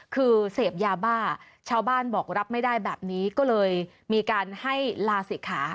คือเสพยาบ้าชาวบ้านบอกรับไม่ได้แบบนี้ก็เลยมีการให้ลาศิกขา